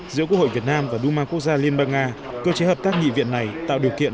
giữa quốc hội việt nam và duma quốc gia liên bang nga cơ chế hợp tác nghị viện này tạo điều kiện